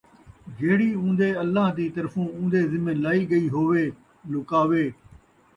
جِہڑی اُون٘دے اَللہ دِی طرفوں اُون٘دے ذمے لائی ڳئی ہووے، لُکاوے!